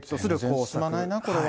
全然進まないな、これは。